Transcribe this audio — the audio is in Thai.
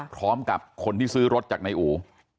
พร้อมกับคนที่ซื้อรถจากนายอู